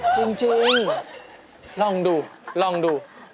จริงลองดูลองดู